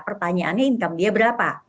pertanyaannya income dia berapa